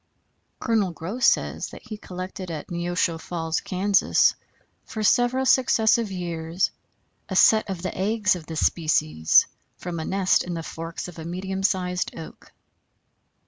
Col. Goss says that he collected at Neosho Falls, Kansas, for several successive years a set of the eggs of this species from a nest in the forks of a medium sized oak.